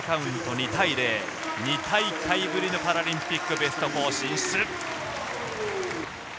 ２大会ぶりのパラリンピック、ベスト４進出。